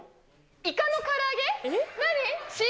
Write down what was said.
イカのから揚げ？